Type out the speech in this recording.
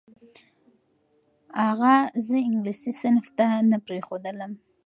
اغا زه انګلیسي صنف ته نه پرېښودلم.